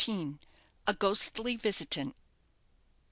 A GHOSTLY VISITANT.